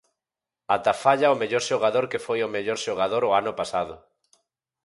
Ata falla o mellor xogador que foi o mellor xogador o ano pasado.